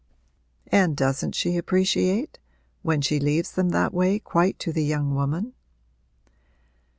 'And doesn't she appreciate when she leaves them that way quite to the young woman?'